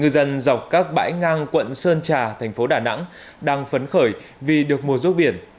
dọc các bãi ngang quận sơn trà thành phố đà nẵng đang phấn khởi vì được mùa rút biển